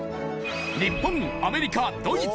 日本アメリカドイツ